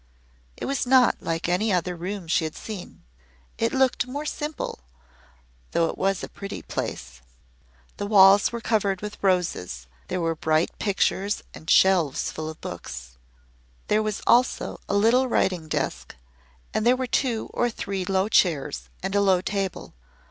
It was not like any other room she had seen. It looked more simple, though it was a pretty place. The walls were covered with roses, there were bright pictures, and shelves full of books. There was also a little writing desk and there were two or three low chairs, and a low table.